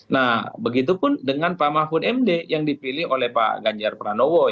nah begitupun dengan pak mahfud md yang dipilih oleh pak ganjar pranowo